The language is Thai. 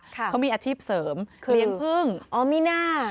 เขามีอาชีพเสริมเลี้ยงพึ่งออมิน่า